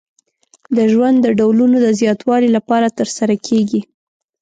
د ژوند د ډولونو د زیاتوالي لپاره ترسره کیږي.